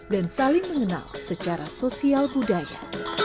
saling mengenal secara sosial budaya